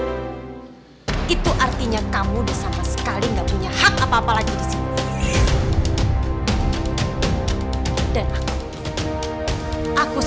dengar ya kamu sudah menerima surat saya dari pengacara kami kan